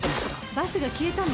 バスが消えたの。